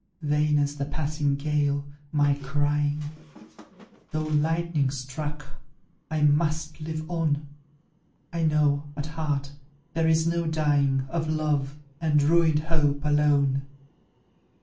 "Vain as the passing gale, my crying; Though lightning struck, I must live on; I know, at heart, there is no dying Of love, and ruined hope, alone.